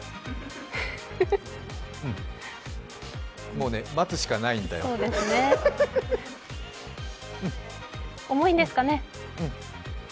もうね、待つしかないんだよ重いんですかね。